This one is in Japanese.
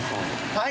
はい。